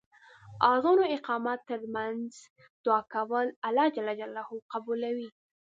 اذان او اقامت تر منځ دعا کول الله ج قبلوی .